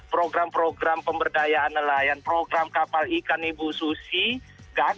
program program pemberdayaan nelayan program kapal ikan ibu susi